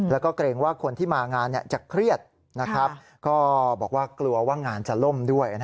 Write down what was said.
แล้วก็เกรงว่าคนที่มางานจะเครียดก็บอกว่ากลัวว่างานจะล่มด้วย